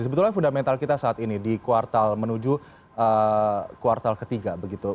sebetulnya fundamental kita saat ini di kuartal menuju kuartal ketiga begitu